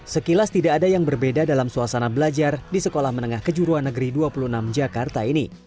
sekilas tidak ada yang berbeda dalam suasana belajar di sekolah menengah kejuruan negeri dua puluh enam jakarta ini